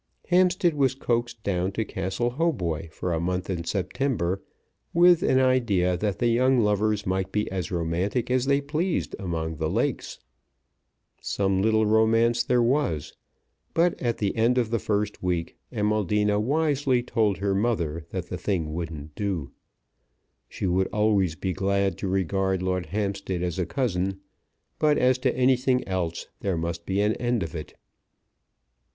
Hampstead was coaxed down to Castle Hautboy for a month in September, with an idea that the young lovers might be as romantic as they pleased among the Lakes. Some little romance there was; but at the end of the first week Amaldina wisely told her mother that the thing wouldn't do. She would always be glad to regard Lord Hampstead as a cousin, but as to anything else, there must be an end of it.